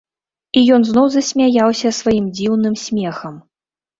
І ён зноў засмяяўся сваім дзіўным смехам.